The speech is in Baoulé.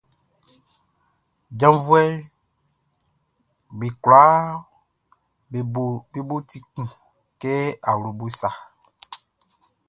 Janvuɛʼm be kwlaa be bo ti kun kɛ awlobo sa.